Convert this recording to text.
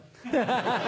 ハハハ！